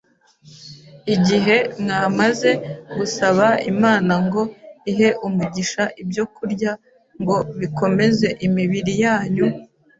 igihe mwamaze gusaba Imana ngo ihe umugisha ibyokurya ngo bikomeze imibiri yanyu,